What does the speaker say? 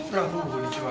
こんにちは。